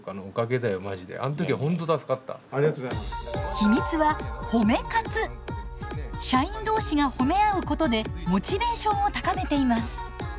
秘密は社員同士が褒め合うことでモチベーションを高めています。